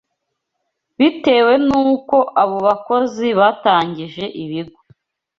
bitewe n’uko abo bakozi batangije ibigo